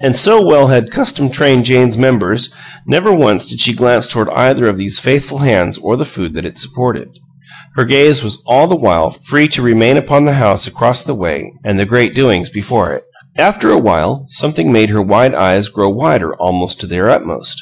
And, so well had custom trained Jane's members, never once did she glance toward either of these faithful hands or the food that it supported; her gaze was all the while free to remain upon the house across the way and the great doings before it. After a while, something made her wide eyes grow wider almost to their utmost.